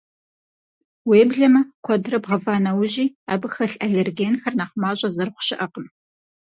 Уеблэмэ, куэдрэ бгъэва нэужьи, абы хэлъ аллергенхэр нэхъ мащӏэ зэрыхъу щыӏэкъым.